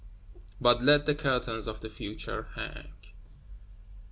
But let the curtains of the Future hang.